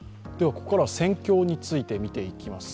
ここからは戦況について見ていきます。